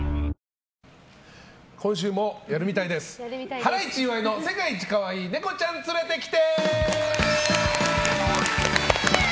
ハライチ岩井の世界一かわいいネコちゃん連れてきて。